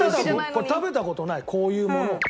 これ食べた事ないこういうものを。